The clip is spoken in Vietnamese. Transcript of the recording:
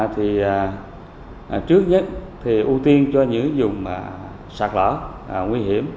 thì trước nhất thì ưu tiên cho những dùng sạt lở nguy hiểm